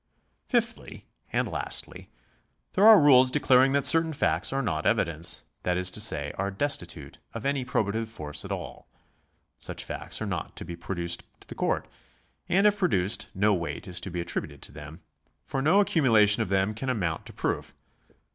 — Fifthly and lastly there are rules declaring that certain facts are not evidence, that is to say, are destitute of any probative force at all. Such facts are not to be produced to the court, and if produced no weight is to be attributed to them, for no accumulation of them can amount to proof.